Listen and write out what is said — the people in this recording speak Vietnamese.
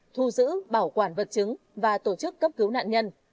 thu giữ bảo quản vật chứng và tổ chức cấp cứu nạn nhân